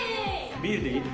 ビールでいい？